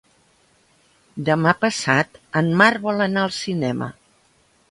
Demà passat en Marc vol anar al cinema.